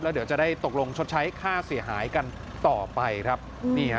เดี๋ยวจะได้ตกลงชดใช้ค่าเสียหายกันต่อไปครับนี่ฮะ